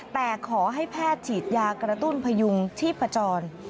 แต่ขอให้แพทย์ฉีดยากระตุ้นพยุงชีพจร